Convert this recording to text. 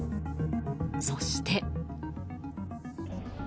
そして。